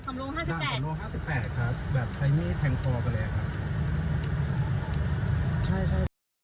สามโลห้าสิบแปดครับแบบใช้มีแทงฟอร์ไปเลยฮะ